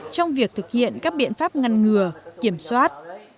trong việc thực hiện các biện pháp ngăn ngừa kiểm soát